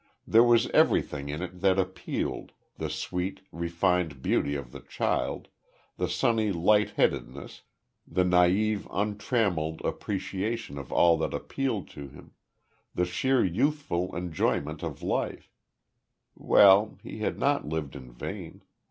There was everything in it that appealed the sweet, refined beauty of the child, the sunny lightheadedness, the naive untrammelled appreciation of all that appealed to him the sheer youthful enjoyment of life well, he had not lived in vain.